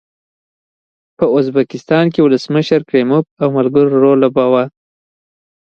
په ازبکستان کې ولسمشر کریموف او ملګرو رول لوباوه.